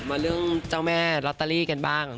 มาเรื่องเจ้าแม่ลอตเตอรี่กันบ้าง